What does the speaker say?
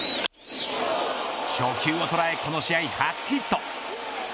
初球を捉え、この試合初ヒット。